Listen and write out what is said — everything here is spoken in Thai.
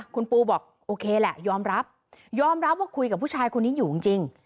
คุณปูบอกโอเคแหละยอมรับยอมรับว่าคุยกับผู้ชายคนนี้อยู่จริง